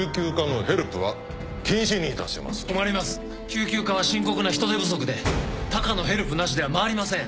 救急科は深刻な人手不足で他科のヘルプなしでは回りません。